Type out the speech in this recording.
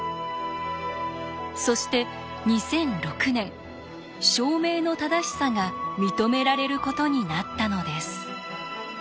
そして２００６年証明の正しさが認められることになったのです。